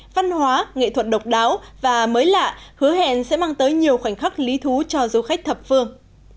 văn hóa nghệ thuật độc đáo và mới lạ hứa hẹn sẽ mang tới nhiều khoảnh khắc lý thú cho du khách thập phương